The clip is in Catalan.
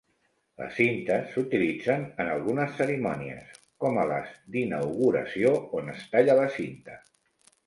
Les cintes s'utilitzen en algunes cerimònies, com a les d'inauguració on es talla la cinta.